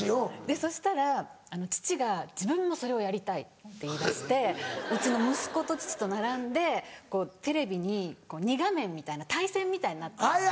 そしたら父が自分もそれをやりたいって言いだしてうちの息子と父と並んでテレビに２画面みたいな対戦みたいになってるんですよ。